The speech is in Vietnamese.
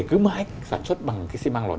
cứ mãi sản xuất bằng cái xi măng đó